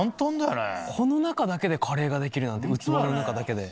この中だけでカレーができるなんて器の中だけで。